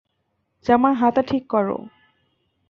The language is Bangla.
জামার হাতা ঠিক কর।